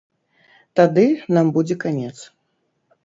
Тады нам будзе канец.